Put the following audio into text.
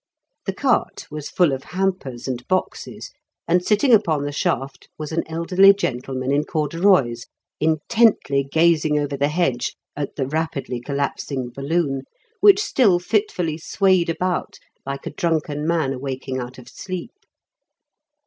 The cart was full of hampers and boxes, and sitting upon the shaft was an elderly gentleman in corduroys intently gazing over the hedge at the rapidly collapsing balloon, which still fitfully swayed about like a drunken man awaking out of sleep.